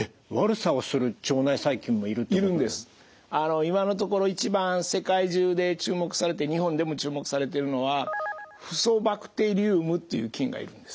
今のところ一番世界中で注目されて日本でも注目されてるのはフソバクテリウムという菌がいるんです。